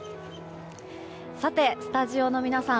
スタジオの皆さん